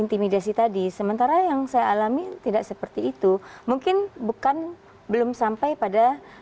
intimidasi tadi sementara yang saya alami tidak seperti itu mungkin bukan belum sampai pada